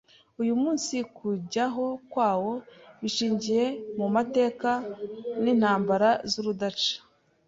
Uyu munsi kujyaho kwawo , bishingiye mu mateka n’intambara z’urudaca